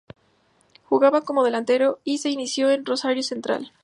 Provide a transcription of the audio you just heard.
Jugaba como delantero y se inició en Rosario Central.